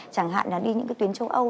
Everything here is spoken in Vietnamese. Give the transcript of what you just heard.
chẳng hạn là đi những cái tuyến châu âu